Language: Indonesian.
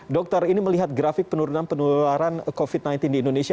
dokter ini melihat grafik penurunan penularan covid sembilan belas di indonesia